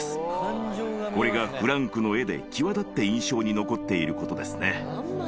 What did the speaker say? これがフランクの絵で際立って印象に残っていることですね。